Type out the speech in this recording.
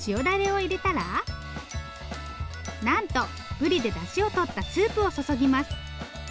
だれを入れたらなんとブリでだしをとったスープを注ぎます。